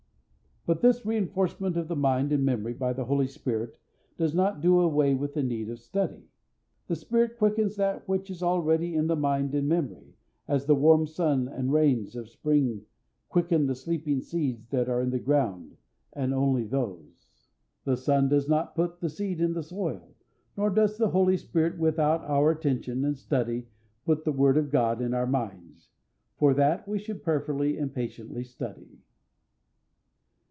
But this reinforcement of the mind and memory by the Holy Spirit does not do away with the need of study. The Spirit quickens that which is already in the mind and memory, as the warm sun and rains of spring quicken the sleeping seeds that are in the ground, and only those. The sun does not put the seed in the soil, nor does the Holy Spirit without our attention and study put the word of God in our minds. For that we should prayerfully and patiently study.